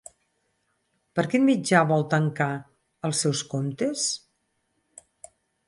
Per quin mitjà vol tancar els seus comptes?